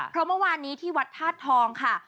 เพราะเมื่อวานนี้ที่วัดธาตุทองค่ะ